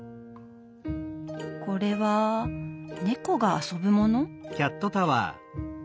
これは猫が遊ぶもの？